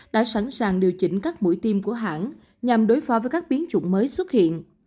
đã sẵn sàng điều chỉnh các mũi tiêm của hãng nhằm đối phó với các biến chủng mới xuất hiện